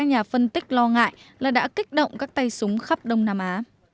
nhà phân tích lo ngại là đã kích động các tay súng khắp đông nam á